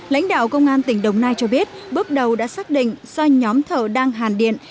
lãnh đạo công an tỉnh đồng nai cho biết bước đầu đã xác định do nhóm thợ đang hàn điện